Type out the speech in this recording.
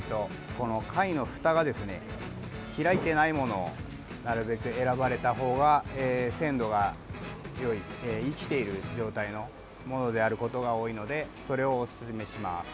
この貝のふたがですね開いていないものをなるべく選ばれた方が鮮度がよい生きている状態のものであることが多いのでそれをおすすめします。